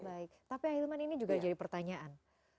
baik tapi ahilman ini juga jadi pertanyaan